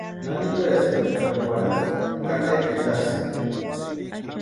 ¿Nani werasïnki chkari warhasï ka ne pʼitasïni?